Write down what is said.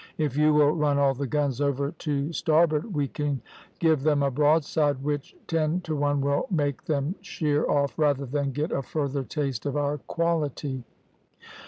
`If you will run all the guns over to starboard we can give them a broadside which ten to one will make them sheer off rather than get a further taste of our quality.'